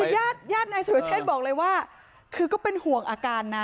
ญาติญาตินายสุรเชษบอกเลยว่าคือก็เป็นห่วงอาการนะ